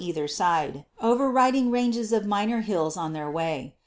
232 GEOLOGY either side, overriding ranges of minor hills on their way.